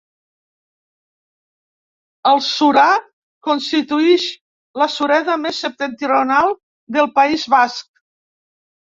El Surar constituïx la sureda més septentrional del País Basc.